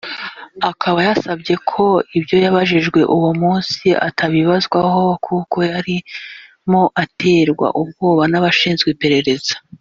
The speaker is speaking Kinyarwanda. Akaba yasabye ko ibyo yabajijwe uwo munsi atabibazwa ho kuko yarimo guterwa ubwoba n’abashinzwe iperereza